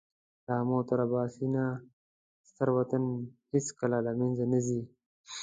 له آمو تر اباسینه ستر وطن هېڅکله له مېنځه نه ځي.